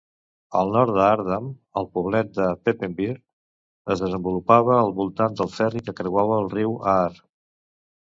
Al nord d'Aardam, el poblet de Papenveer es desenvolupava al voltant del ferri que creuava el riu Aar.